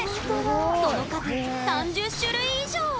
その数、３０種類以上！